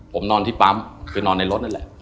ผมนอนที่ปั๊มคือนอนในรถนั่นแหละ